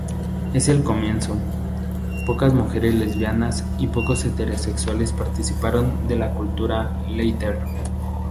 En el comienzo, pocas mujeres lesbianas y pocos heterosexuales participaron de la cultura "leather".